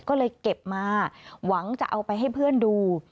ก็เลยเก็บมาหวังจะเอาไปให้เพื่อนดู